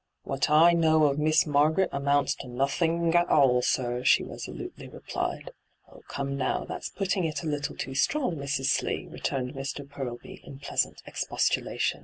' What I know of Miss Mai^aret amounts to nothing at all, sir,' she resolutely replied. ' Oh, come now, that's putting it a little too strong, Mrs. Slee,' returned Mr. Purlby hyGoogIc ENTRAPPED 97 in pleasant expostulation.